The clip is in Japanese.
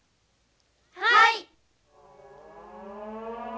はい。